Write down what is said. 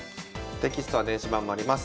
テキストは電子版もあります。